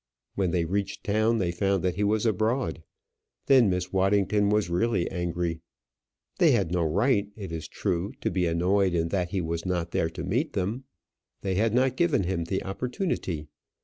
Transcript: When they reached town they found that he was abroad. Then Miss Waddington was really angry. They had no right, it is true, to be annoyed in that he was not there to meet them. They had not given him the opportunity.